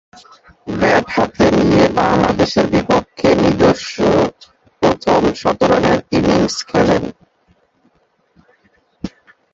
Bat হাতে নিয়ে বাংলাদেশের বিপক্ষে নিজস্ব প্রথম শতরানের ইনিংস খেলেন।